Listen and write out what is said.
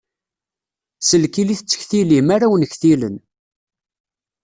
S lkil i tettektilim, ara wen-ktilen.